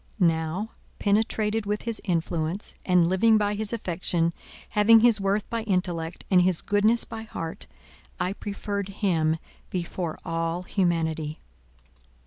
Now, penetrated with his influence, and living by his affection, having his worth by intellect, and his goodness by heart—I preferred him before all humanity.